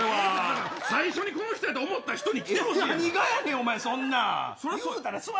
最初にこの人やと思った人に来てほしい。